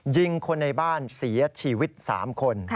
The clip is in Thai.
ยิงคนในบ้านเสียชีวิต๓คน